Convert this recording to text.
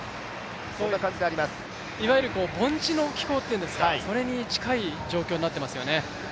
いわゆる盆地の気候というんですかね、それに近い状況になっていますね。